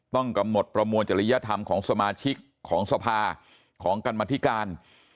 ต้องกำหนดประมวลจริยธรรมของสมาชิกของสภาของกรรมธิการ